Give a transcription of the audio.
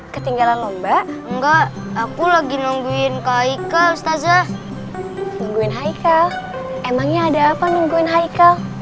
ketinggalan lomba nggak aku lagi nungguin haiquest aja whole hai emangnya ada apa nungguin hai kau